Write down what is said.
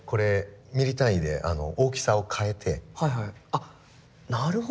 あっなるほど！